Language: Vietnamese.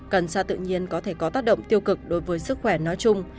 cần xa tự nhiên có thể có tác động tiêu cực đối với sức khỏe nói chung